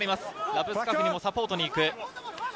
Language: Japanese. ラブスカフニもサポートに行く。